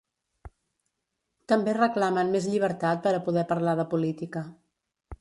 També reclamen més llibertat per a poder parlar de política.